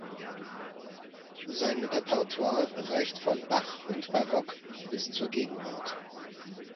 Sein Repertoire reicht von Bach und Barock bis zur Gegenwart.